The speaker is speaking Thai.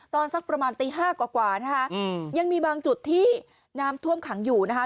สักประมาณตีห้ากว่านะคะยังมีบางจุดที่น้ำท่วมขังอยู่นะคะ